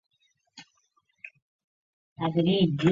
笋也可以晒干或烘干做成笋干。